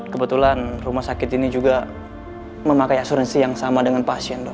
kebetulan rumah sakit ini juga memakai asuransi yang sama dengan pasien dok